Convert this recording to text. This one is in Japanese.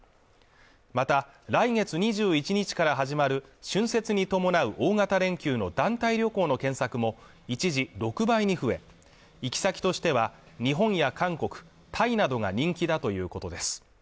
また来月２１日から始まる春節に伴う大型連休の団体旅行の検索も一時６倍に増え行き先としては日本や韓国タイなどが人気だということです